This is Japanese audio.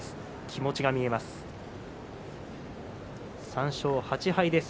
気持ちが見えます。